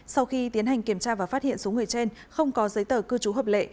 sau khi tiến hành kiểm tra và phát hiện số người trên không có giấy tờ cư trú hợp lệ